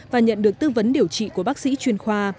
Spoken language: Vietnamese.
và nhận được tư vấn điều trị của bác sĩ chuyên khoa